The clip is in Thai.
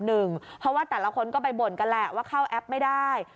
เพราะว่าแต่ละคนก็ไปบ่นกันแหละว่าเข้าแอปไม่ได้